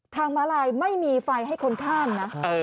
ม้าลายไม่มีไฟให้คนข้ามนะ